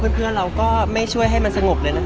เพื่อนเราก็ไม่ช่วยให้มันสงบเลยนะคะ